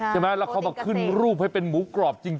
ใช่ไหมแล้วเขามาขึ้นรูปให้เป็นหมูกรอบจริง